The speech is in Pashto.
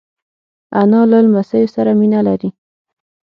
انا له لمسیو سره مینه لري